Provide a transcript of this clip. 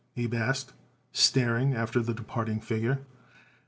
Abe asked, staring after the departing figure.